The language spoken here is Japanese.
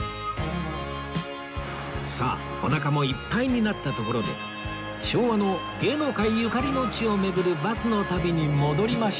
さあおなかもいっぱいになったところで昭和の芸能界ゆかりの地を巡るバスの旅に戻りましょう